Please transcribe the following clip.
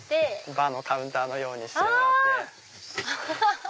バーのカウンターのようにしてもらって。